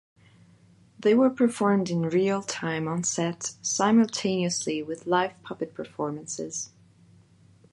They were performed in real time on set, simultaneously with live puppet performances.